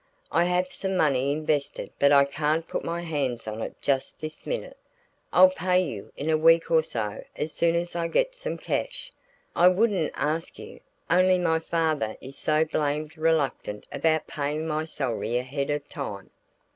I have some money invested but I can't put my hands on it just this minute. I'll pay you in a week or so as soon as I get some cash I wouldn't ask you, only my father is so blamed reluctant about paying my salary ahead of time."